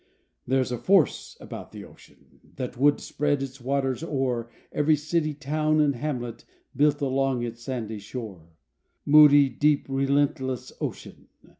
There's a force about the ocean, That would spread its waters o'er, Every city, town and hamlet Built along its sandy shore. Moody, deep, relentless ocean!